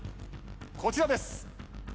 こちらです。